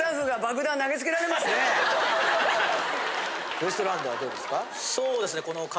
ウエストランドはどうですか？